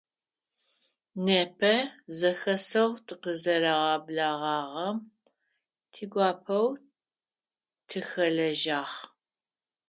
Непэ зэхэсэу тыкъызэрагъэблэгъагъэм тигуапэу тыхэлэжьагъ.